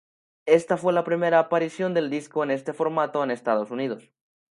Esta fue la primera aparición del disco en este formato en Estados Unidos.